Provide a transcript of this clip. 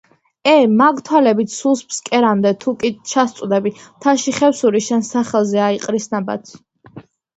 ე მაგ თვალებით სულს ფსკერამდე თუ კი ჩასწვდები, მთაში ხევსური შენს სახელზე აიყრის ნაბადს.